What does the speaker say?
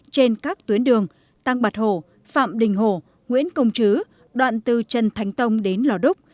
trên các tuyến đường tăng bạch hồ phạm đình hồ nguyễn công chứ đoạn từ trần thánh tông đến lò đúc